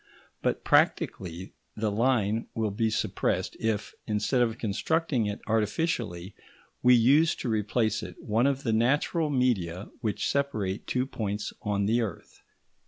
But, practically, the line will be suppressed if, instead of constructing it artificially, we use to replace it one of the natural media which separate two points on the earth.